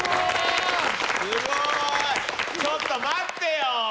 ちょっと待ってよ。